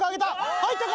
入ったか？